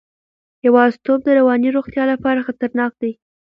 یوازیتوب د رواني روغتیا لپاره خطرناک دی.